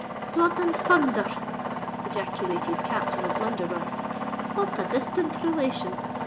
"Blood and thunther r!" ejaculated Captain O'Blunderbuss, "what a disthant relation!